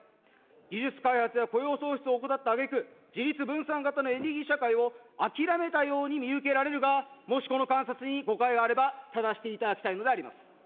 技術開発や雇用創出を行ったあげく、自立分散型のエネルギー社会を諦めたように見受けられたが、もしこの観察に誤解があれば正していただきたいのであります。